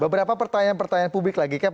beberapa pertanyaan pertanyaan publik lagi